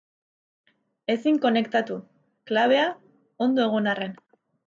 Ezin konektatu, klabea ondo egon arren.